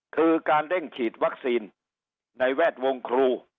คือการเร่งฉีดวัคซีนในแวดวงครู